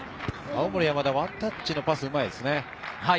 青森山田、ワンタッチのパスがうまいですね。